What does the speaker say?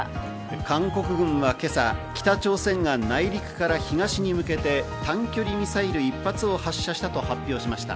韓国軍は今朝、北朝鮮が内陸から東に向けて短距離ミサイル１発を発射したと発表しました。